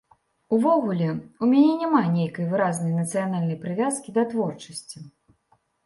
Увогуле, у мяне няма нейкай выразнай нацыянальнай прывязкі да творчасці.